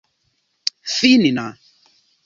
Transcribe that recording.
finna